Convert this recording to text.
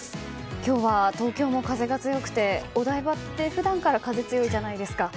今日は東京も風が強くてお台場って普段から風強いじゃないですか。